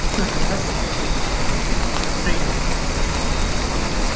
This was the last one of Tyrfing's three evil deeds.